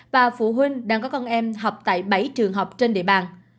và phụ huynh đang có con em học tại bảy trường học trên địa bàn